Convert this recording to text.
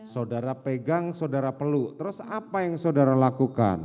saudara pegang saudara peluk terus apa yang saudara lakukan